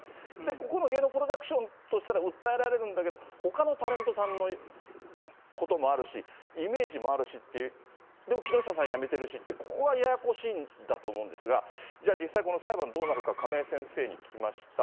ここの芸能プロダクションとしたら訴えられるんだけど、ほかのタレントさんのこともあるし、イメージもあるしっていう、でも木下さん辞めてるしって、ここはややこしいんだと思うんですが、じゃあ、実際この裁判どうなるか、亀井先生に聞きました。